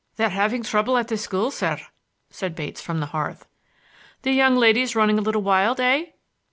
"They are having trouble at the school, sir," said Bates from the hearth. "The young ladies running a little wild, eh?"